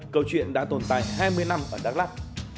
câu chuyện đã tồn tại hai mươi năm ở đắk lắc